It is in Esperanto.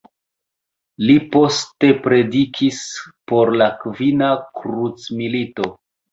Li poste predikis por la Kvina krucmilito.